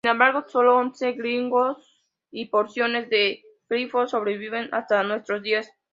Sin embargo, sólo once glifos y porciones de glifos sobreviven hasta nuestros días.